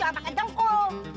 jangan makan jengkol